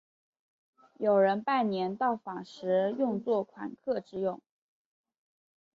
有人拜年到访时用作款客之用。